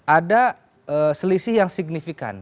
ada selisih yang signifikan